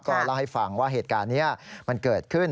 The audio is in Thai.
ก็เล่าให้ฟังว่าเหตุการณ์นี้มันเกิดขึ้น